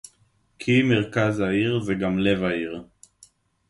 כי מרכז העיר זה גם לב העיר